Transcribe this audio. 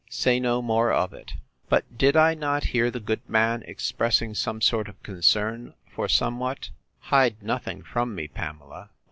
—Say no more of it. But did I not hear the good man expressing some sort of concern for somewhat? Hide nothing from me, Pamela.